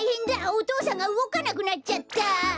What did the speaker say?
お父さんがうごかなくなっちゃった！